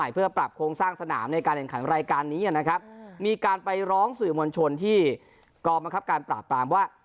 เพื่อปรับโครงสร้างสนามในการแข่งขันรายการนี้นะครับมีการไปร้องสื่อมวลชนที่กองบังคับการปราบปรามว่า